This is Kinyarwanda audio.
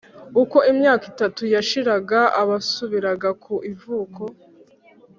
Uko imyaka itatu yashiraga basubiraga ku ivuko